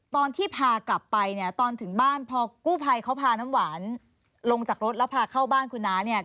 ตอนที่พากลับไปเนี่ยตอนถึงบ้านพอกู้ภัยเขาพาน้ำหวานลงจากรถแล้วพาเข้าบ้านคุณน้าเนี่ย